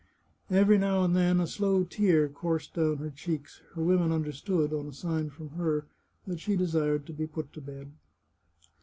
Every now and then a slow tear coursed down her cheeks ; her women understood, on a sign from her, that she desired to be put to bed.